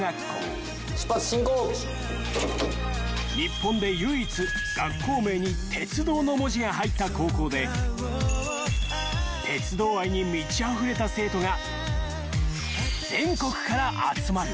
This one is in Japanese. ［日本で唯一学校名に「鉄道」の文字が入った高校で鉄道愛に満ちあふれた生徒が］